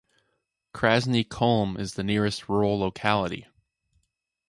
Krasny Kholm is the nearest rural locality.